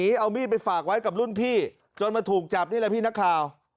เอามีดไปฝากไว้กับรุ่นพี่จนมาถูกจับนี่แหละพี่นักข่าว